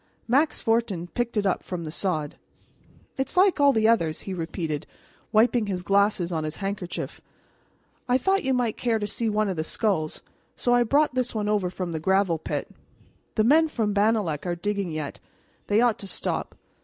Max Fortin picked it up from the sod. "It's like all the others," he repeated, wiping his glasses on his handkerchief. "I thought you might care to see one of the skulls, so I brought this over from the gravel pit. The men from Bannalec are digging yet. They ought to stop."